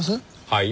はい？